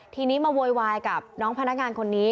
ทีนี้มาโวยวายกับน้องพนักงานคนนี้